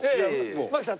槙さん